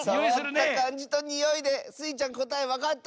さわったかんじとにおいでスイちゃんこたえわかった？